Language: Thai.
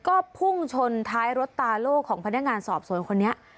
ก็พุ่งชนท้ายรถตาโล่ของพนักงานสอบสวนคนนี้